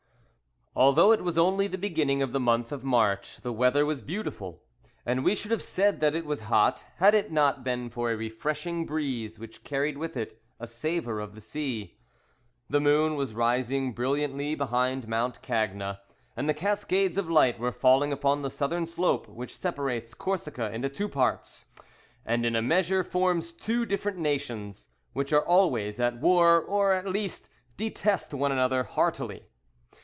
ALTHOUGH it was only the beginning of the month of March the weather was beautiful, and we should have said that it was hot, had it not been for a refreshing breeze which carried with it a savour of the sea. The moon was rising brilliantly behind Mount Cagna, and the cascades of light were falling upon the southern slope which separates Corsica into two parts, and in a measure forms two different nations, which are always at war, or at least, detest one another heartily.